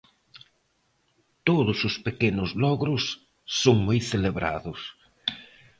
Todos os pequenos logros son moi celebrados.